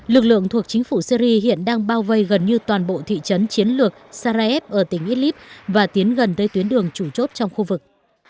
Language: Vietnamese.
lực lượng thuộc chính phủ syri hiện đang bao vây gần như toàn bộ thị trấn chiến lược sarayev ở tỉnh idlib và tiến gần tới tuyến đường chủ chốt trong khu vực